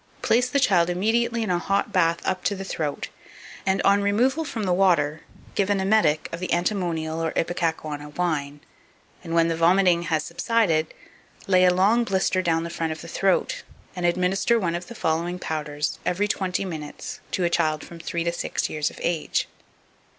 Place the child immediately in a hot bath up to the throat; and, on removal from the water, give an emetic of the antimonial or ipecacuanha wine, and, when the vomiting has subsided, lay a long blister down the front of the throat, and administer one of the following powders every twenty minutes to a child from three to six years of age.